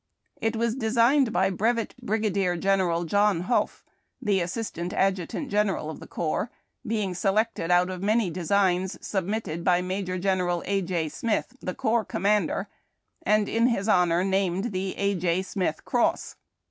'" It was designed by Brevet Brigadier General John Hough, the assistant adjutant general of the corps, being selected out of many designs, submitted by Major General A. J. Smith, the corps commander, and, in his honor, named the ''A. J. Smith Cross."